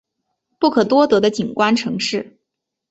不可多得的景观城市